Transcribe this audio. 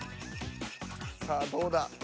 さあどうだ？